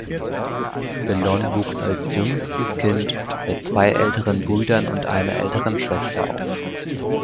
Pillon wuchs als jüngstes Kind mit zwei älteren Brüdern und einer älteren Schwester auf.